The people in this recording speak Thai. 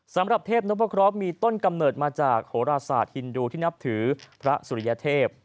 สำหรับเทพนพเคราะห์มีต้นกำเนิดมาจากโหราศาสตร์ฮินดูที่นับถือพระสุริยเทพ